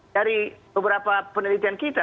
dari beberapa penelitian kita